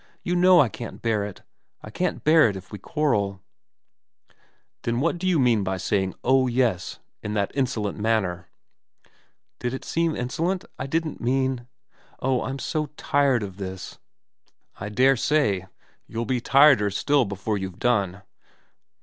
You know I can't bear it, I can't bear it if we quarrel '' Then what do you mean by saying " Oh yes," in that insolent manner ?'' Did it seem insolent ? I didn't mean oh, I'm so tired of this '* I daresay. You'll be tireder still before you've done.